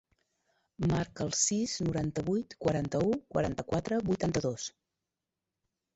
Marca el sis, noranta-vuit, quaranta-u, quaranta-quatre, vuitanta-dos.